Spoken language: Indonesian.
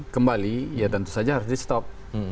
kembali ya tentu saja harus di stop